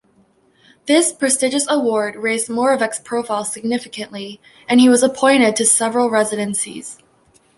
This prestigious award raised Moravec's profile significantly, and he was appointed to several residencies.